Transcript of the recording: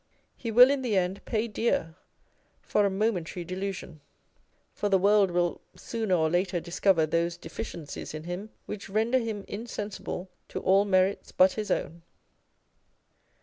He will in the end pay dear for a momentary delusion : for the world will sooner or later discover those deficiencies in him which render him insensible to all merits but his own.